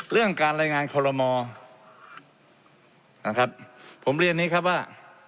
เรื่องการรายงานคอลโลมอนะครับผมเรียนนี้ครับว่า